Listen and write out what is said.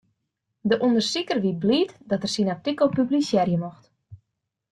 De ûndersiker wie bliid dat er syn artikel publisearje mocht.